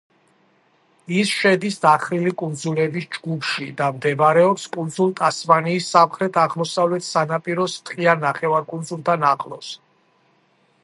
ის შედის დახრილი კუნძულების ჯგუფში და მდებარეობს კუნძულ ტასმანიის სამხრეთ-აღმოსავლეთ სანაპიროს ტყიან ნახევარკუნძულთან ახლოს.